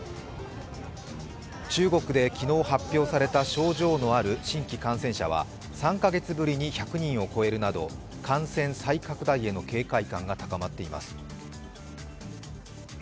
中国で昨日発表された症状のある新規感染者は３カ月ぶりに１００人を超えるなど感染再拡大への警戒感が高まっています。